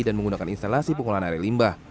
dan menggunakan instalasi pengolahan air limbah